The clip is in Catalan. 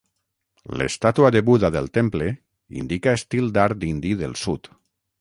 L'estàtua de Buda del temple indica estil d'art indi del sud.